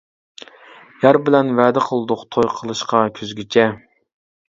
يار بىلەن ۋەدە قىلدۇق، توي قىلىشقا كۈزگىچە.